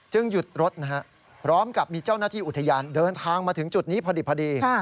หยุดรถนะฮะพร้อมกับมีเจ้าหน้าที่อุทยานเดินทางมาถึงจุดนี้พอดี